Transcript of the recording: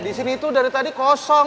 disini tuh dari tadi kosong